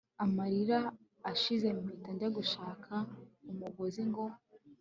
amarira ashize mpita njya gushaka umigozi ngo